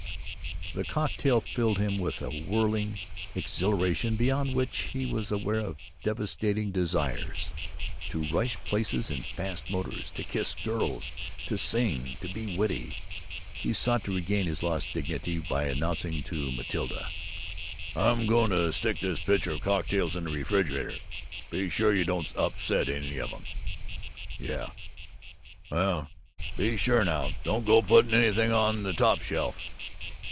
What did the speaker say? The cocktail filled him with a whirling exhilaration behind which he was aware of devastating desires to rush places in fast motors, to kiss girls, to sing, to be witty. He sought to regain his lost dignity by announcing to Matilda: "I'm going to stick this pitcher of cocktails in the refrigerator. Be sure you don't upset any of 'em." "Yeh." "Well, be sure now. Don't go putting anything on this top shelf."